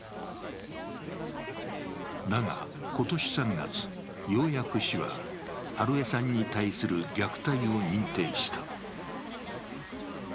だが今年３月、ようやく市は美枝さんに対する虐待を認定した。